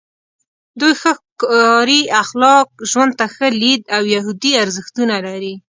دوی ښه کاري اخلاق، ژوند ته ښه لید او یهودي ارزښتونه لري.